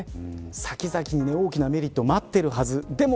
先々に大きなメリットが待っているはず。